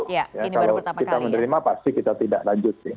kalau kita menerima pasti kita tidak lanjut ya